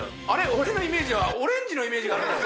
俺のイメージはオレンジのイメージが。